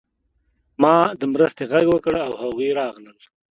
ما د مرستې غږ وکړ او هغوی راغلل